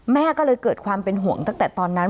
แม่ก็เลยเกิดความเป็นห่วงตั้งแต่ตอนนั้น